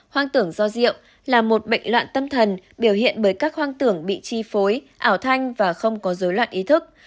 hoang tưởng do rượu là một bệnh loạn tâm thần biểu hiện bởi các hoang tưởng bị chi phối ảo thanh và không có dối loạn ý thức